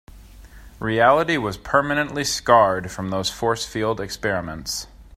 Reality was permanently scarred from those force field experiments.